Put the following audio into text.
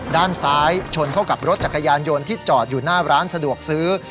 ด้านซ้ายชนเข้ากับรถจักรยานยนต์ที่จอดอยู่หน้าร้านสะดวกซื้อ